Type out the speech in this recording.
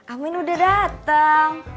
amin udah dateng